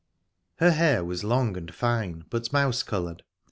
Her hair was long and fine, but mouse coloured.